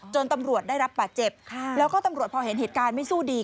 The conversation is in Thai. ตำรวจได้รับบาดเจ็บแล้วก็ตำรวจพอเห็นเหตุการณ์ไม่สู้ดี